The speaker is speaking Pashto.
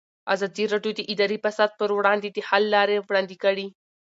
ازادي راډیو د اداري فساد پر وړاندې د حل لارې وړاندې کړي.